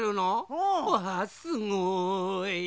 うん！わすごい！